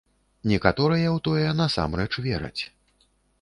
Некаторыя ў тое насамрэч вераць.